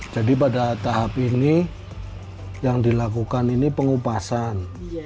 jadi pada tahap ini yang dilakukan ini pengupasan